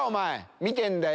見てんだよ